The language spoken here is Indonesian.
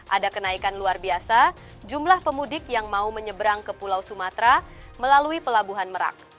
ada kenaikan luar biasa jumlah pemudik yang mau menyeberang ke pulau sumatera melalui pelabuhan merak